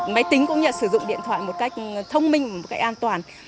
máy tính cũng như sử dụng điện thoại một cách thông minh một cách an toàn